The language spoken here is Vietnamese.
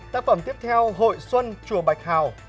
tác phẩm tiếp theo hội xuân chùa bạch hào